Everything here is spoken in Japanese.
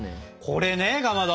これねかまど！